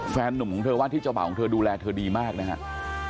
แฟนนุ่มของเธอว่าที่เจ้าบ่าของเธอดูแลเธอดีมากนะครับ